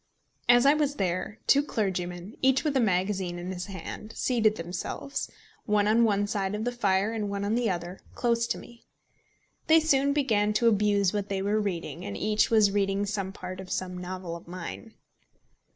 As I was there, two clergymen, each with a magazine in his hand, seated themselves, one on one side of the fire and one on the other, close to me. They soon began to abuse what they were reading, and each was reading some part of some novel of mine.